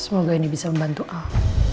semoga ini bisa membantu al